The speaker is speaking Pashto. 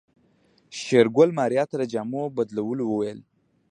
شېرګل ماريا ته د جامو بدلولو وويل.